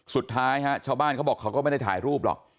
สุดท้ายฮะชาวบ้านเขาบอกเขาก็ไม่ได้ถ่ายรูปหรอก